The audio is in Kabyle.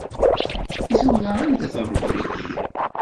I tura anda-t Ṛebbi-k?